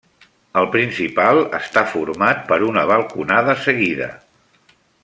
El principal està format per una balconada seguida.